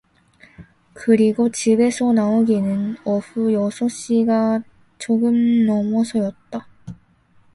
그러고 집에서 나오기는 오후 여섯 시가 조금 넘어서였다.